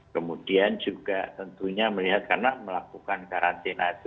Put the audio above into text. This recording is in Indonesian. kemudian juga tentunya melihat karena melakukan karantina